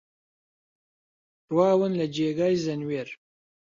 ڕواون لە جێگای زەنوێر